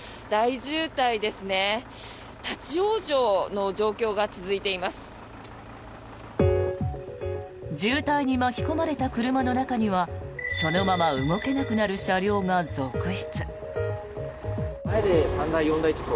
渋滞に巻き込まれた車の中にはそのまま動けなくなる車両が続出。